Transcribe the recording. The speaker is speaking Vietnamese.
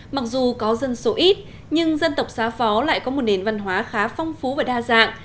mặc dù có dân số ít nhưng dân tộc xa phó lại có một nền văn hóa khá phong phú và đa dạng